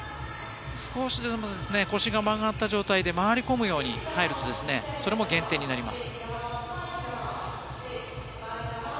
腰が曲がった状態で回り込むように入ると、それも減点になります。